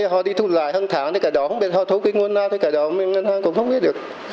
họ đi thu lại hàng tháng cả đó không biết họ thu cái nguồn nào cả đó ngân hàng cũng không biết được